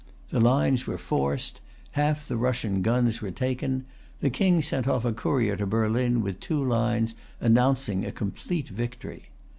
The lines were forced. Half the Russian guns[Pg 323] were taken. The King sent off a courier to Berlin with two lines, announcing a complete victory.